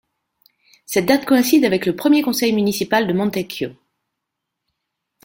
Cette date coïncide avec le premier conseil municipal de Montecchio.